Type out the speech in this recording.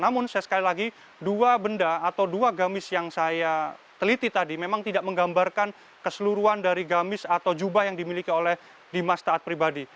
namun saya sekali lagi dua benda atau dua gamis yang saya teliti tadi memang tidak menggambarkan keseluruhan dari gamis atau jubah yang dimiliki oleh dimas taat pribadi